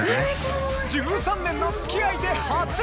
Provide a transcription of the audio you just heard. １３年の付き合いで初！